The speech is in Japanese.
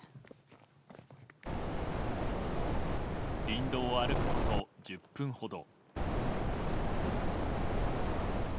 林道を歩くこと１０分ほど。